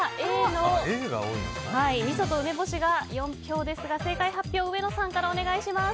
Ａの、みそと梅干しが４票ですが正解発表を上野さんからお願いします。